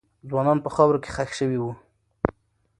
ځوانان په خاورو کې خښ سوي ول.